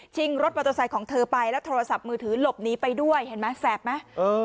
รถมอเตอร์ไซค์ของเธอไปแล้วโทรศัพท์มือถือหลบหนีไปด้วยเห็นไหมแสบไหม